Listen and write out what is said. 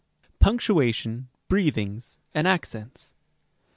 3. Punctuation, BREATHINGS, AND ACCENTS.